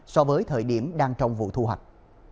so với thời điểm đang trong vụ thu hoạch